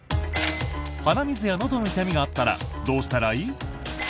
鼻水や、のどの痛みがあったらどうしたらいい？